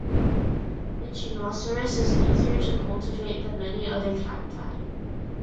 "Echinocereus" is easier to cultivate than many other cacti.